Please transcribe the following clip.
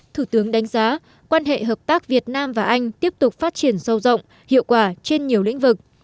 thủ tướng đánh giá quan hệ hợp tác việt nam và anh tiếp tục phát triển sâu rộng hiệu quả trên nhiều lĩnh vực